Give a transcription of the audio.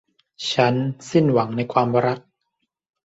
ฉันสิ้นหวังในความรัก